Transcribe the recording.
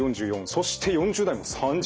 そして４０代も３０％。